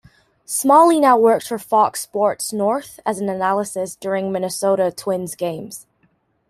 Smalley now works for Fox Sports North as an analyst during Minnesota Twins games.